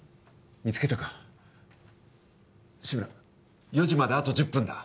見つけたか志村４時まであと１０分だ